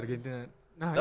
iya indonesia argentina